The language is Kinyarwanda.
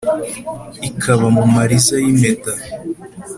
ikaba mu mariza y’ impeta,